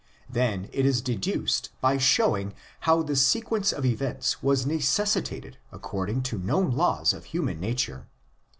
Then it is deduced by showing how the Sequence of events was necessitated according to known laws of human nature.